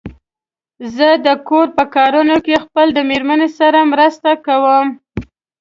زه د کور په کارونو کې خپل د مېرمن سره مرسته کوم.